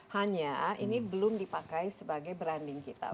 hanya ini belum dipakai sebagai branding kita